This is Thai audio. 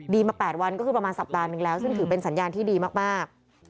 มา๘วันก็คือประมาณสัปดาห์หนึ่งแล้วซึ่งถือเป็นสัญญาณที่ดีมาก